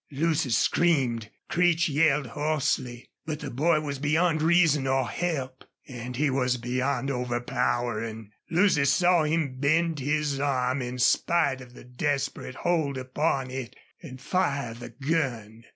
Lucy screamed. Creech yelled hoarsely. But the boy was beyond reason or help, and he was beyond over powering! Lucy saw him bend his arm in spite of the desperate hold upon it and fire the gun.